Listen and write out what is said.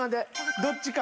どっちか。